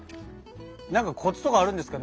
何かコツとかあるんですか？